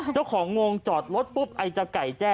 เจ้าของงงจอดรถปุ๊บไอจากไก่แจ้